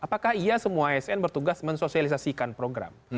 apakah iya semua asn bertugas mensosialisasikan program